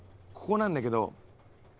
ここなんだけど。